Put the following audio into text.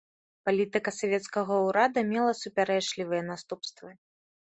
Палітыка савецкага ўрада мела супярэчлівыя наступствы.